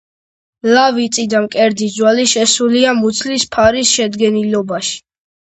ლავიწი და მკერდის ძვალი შესულია მუცლის ფარის შედგენილობაში.